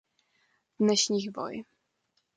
V dnešních voj.